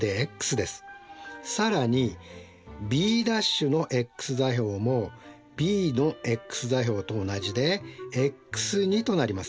更にＢ’のｘ座標もＢのｘ座標と同じでｘとなります。